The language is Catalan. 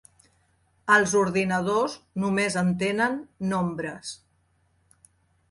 Els ordinadors només entenen nombres.